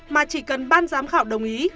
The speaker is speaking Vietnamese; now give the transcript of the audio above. mà chỉ cần ban giám khảo đồng ý